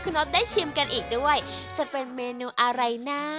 คุณอ๊อฟได้ชิมกันอีกด้วยจะเป็นเมนูอะไรนะ